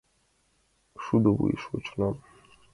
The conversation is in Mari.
Шудо вуеш шочынам.